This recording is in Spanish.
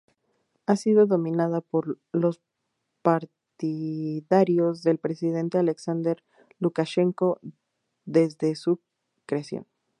Ha sido dominada por los partidarios del presidente Alexander Lukashenko desde su creación.